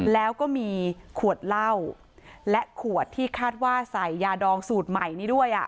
แล้วก็มีขวดเหล้าและขวดที่คาดว่าใส่ยาดองสูตรใหม่นี้ด้วย